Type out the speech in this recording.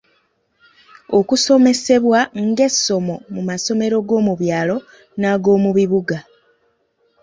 Okusomesebwa ng'essomo mu masomero g'omu byalo n'ag’omu bibuga.